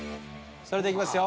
それではいきますよ。